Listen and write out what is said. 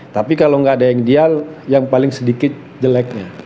tapi kalau nggak ada yang ideal yang paling sedikit jeleknya